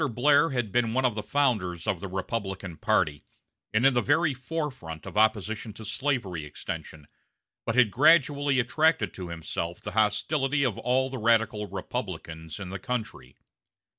Blair had been one of the founders of the Republican party, and in the very forefront of opposition to slavery extension, but had gradually attracted to himself the hostility of all the radical Republicans in the country.